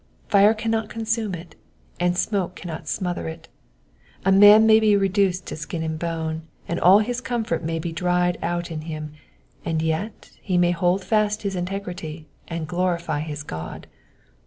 Fire cannot consume it, and smoke cannot smother it. A man may be reduced to skin and bone, and all his comfort may be dried out of him, and yet he may hold fast his integrity and glorify his God.